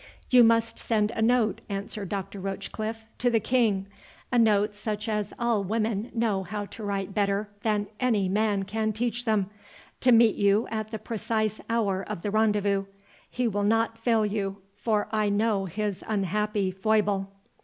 "You must send a note," answered Dr. Rochecliffe, "to the King—a note such as all women know how to write better than any man can teach them—to meet you at the precise hour of the rendezvous. He will not fail you, for I know his unhappy foible."